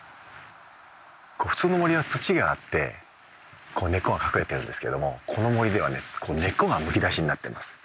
普通の森は土があって根っこが隠れてるんですけどもこの森ではね根っこがむき出しになってます。